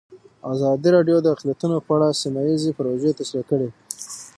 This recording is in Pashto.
ازادي راډیو د اقلیتونه په اړه سیمه ییزې پروژې تشریح کړې.